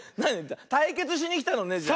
たいけつしにきたのねじゃあ。